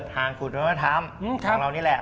ทางศูนย์วัฒนธรรมของเรานี่แหละ